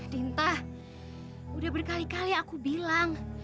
dinta udah berkali kali aku bilang